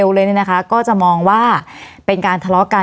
วันนี้แม่ช่วยเงินมากกว่า